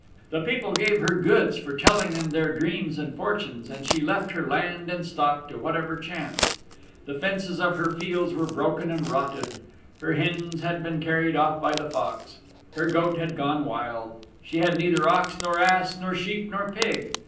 The people gave her goods for telling them their dreams and fortunes and she left her land and stock to whatever chanced. The fences of her fields were broken and rotted. Her hens had been carried off by the Fox. Her goat had gone wild. She had neither ox nor ass nor sheep nor pig.